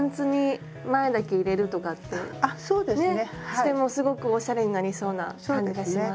してもすごくおしゃれになりそうな感じがします。